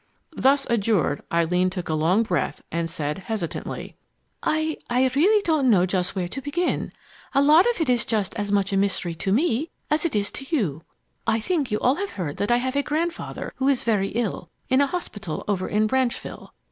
Thus adjured, Eileen drew a long breath and said hesitantly: "I I really don't know just where to begin. A lot of it is just as much a mystery to me as it is to you. I think you all have heard that I have a grandfather who is very ill, in a hospital over in Branchville.